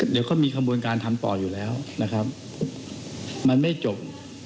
เดี๋ยวเขามีขบวนการทำต่ออยู่แล้วนะครับมันไม่จบ